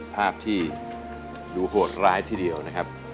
ภาพที่ดูโหดร้ายทีเดียวนะครับ